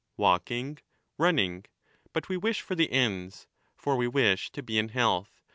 walking, running ; but we wish for the ends. For we wish to be in health.